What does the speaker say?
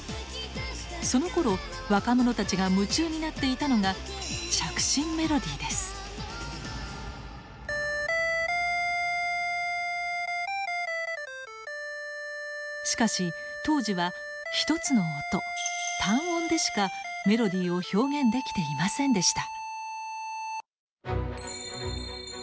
そのころ若者たちが夢中になっていたのがしかし当時は１つの音単音でしかメロディーを表現できていませんでした。